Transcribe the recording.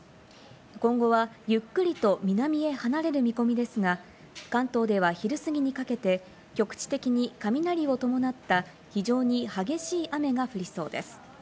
今後はゆっくりと南へ離れる見込みですが、関東では昼すぎにかけて、局地的に雷を伴った非常に激しい雨が降りそうです。